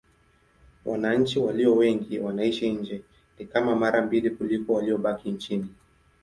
Wananchi walio wengi wanaishi nje: ni kama mara mbili kuliko waliobaki nchini.